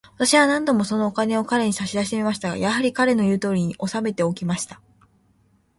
私は何度も、そのお金を彼に差し出してみましたが、やはり、彼の言うとおりに、おさめておきました。